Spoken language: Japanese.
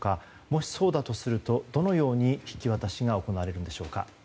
もし、そうだとするとどのように引き渡しが行われるんでしょうか。